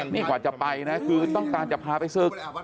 เดี๋ยวดูมีอะไรตอนที่ล่างจะไปขึ้นรถ